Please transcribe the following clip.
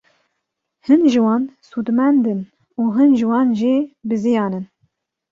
Hin ji wan sûdmend in û hin ji wan jî biziyan in.